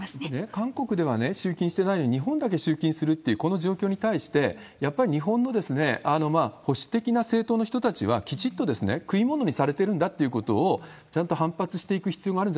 韓国では集金してないのに、日本だけ集金するという、この状況に対して、やっぱり日本の保守的な政党の人たちは、きちっと食い物にされてるんだということを、ちゃんと反発していく必要がある